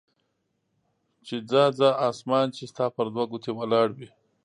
چې ځه ځه اسمان چې ستا پر دوه ګوتې ولاړ وي.